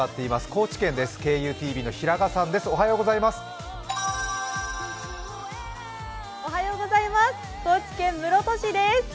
高知県室戸市です。